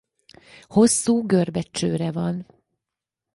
Hosszú görbe csőre van.